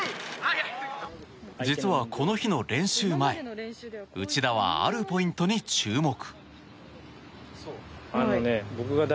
実はこの日の練習前、内田はあるポイントに注目。